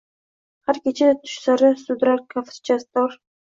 Har kecha tush sari sudrar kajraftor